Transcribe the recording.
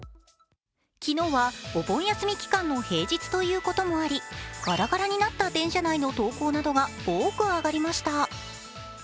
昨日はお盆休み期間の平日ということもありガラガラになった電車内の投稿などが多く上がりました。